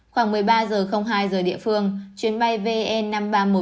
khoảng một mươi ba h hai giờ địa phương chuyến bay vn năm nghìn ba trăm một mươi bốn